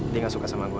dia gak suka sama gua